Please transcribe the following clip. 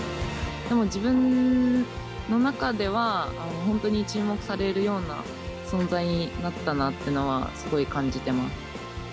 自分の中では、本当に注目されるような存在になったなっていうのはすごい感じてます。